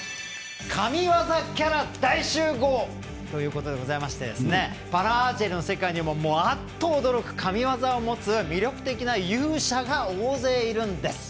神ワザキャラ大集合ということでパラアーチェリーの世界にもあっと驚く神ワザを持つ魅力的な勇者が大勢いるんです。